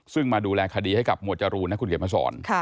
ซึ่งมาดูแลคดีให้กับมวจรูนะครับคุณเกดมศร